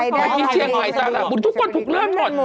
นี่ค่ะทุกคนถูกเลื่อนหมด